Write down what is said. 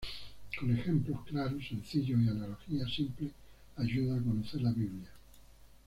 Con ejemplos claros, sencillos y analogías simples ayuda a conocer la Biblia.